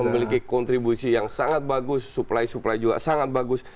memiliki kontribusi yang sangat bagus supply supply juga sangat bagus